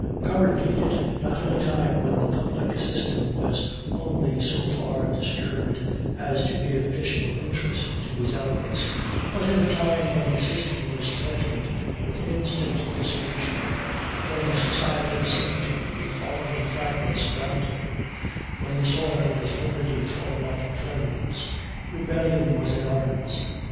Curran pleaded not in a time when the public system was only so far disturbed as to give additional interest to his eloquence but in a time when the system was threatened with instant dissolution; when society seemed to be falling in fragments round him; when the soil was already throwing up flames. Rebellion was in arms.